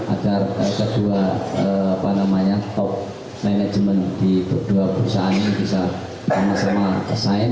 agar kedua top management di kedua perusahaan ini bisa sama sama desain